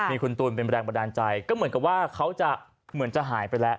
มีคุณตูนเป็นแรงบันดาลใจก็เหมือนกับว่าเขาจะเหมือนจะหายไปแล้ว